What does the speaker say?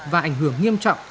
và ảnh hưởng nghiêm trọng